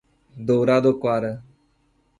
Douradoquara